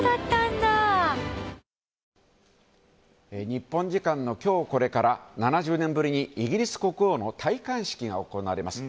日本時間の今日これから７０年ぶりに、イギリス国王の戴冠式が行われます。